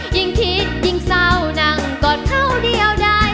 ยิ่งคิดยิ่งเศร้านั่งกอดเขาเดียวได้